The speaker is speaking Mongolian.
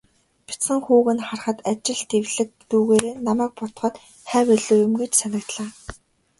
Бяцхан хүүг нь харахад, ажилд эвлэг дүйгээрээ намайг бодоход хавь илүү юм гэж санагдлаа.